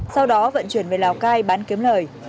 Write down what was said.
sau đó vận chuyển về lào cai bán kiếm lời